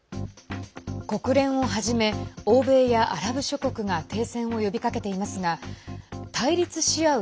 国連をはじめ欧米やアラブ諸国が停戦を呼びかけていますが対立しあう